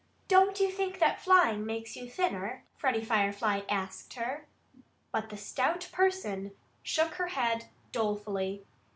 "Don't you think that flying makes you thinner?" Freddie Firefly asked her. But the stout person shook her head dolefully.